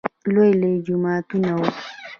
لوى لوى جوماتونه وو.